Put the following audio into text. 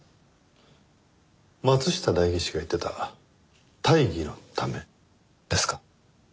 松下代議士が言ってた大義のためですか？